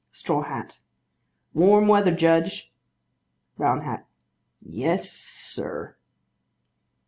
STRAW HAT. Warm weather, Judge. BROWN HAT. Yes, sir.